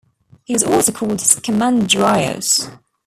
He was also called Scamandrios.